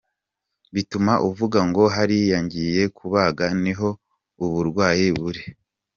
Bituma uvuga ngo hariya ngiye kubaga niho uburwayi buri.